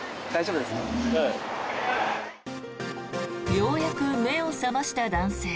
ようやく目を覚ました男性。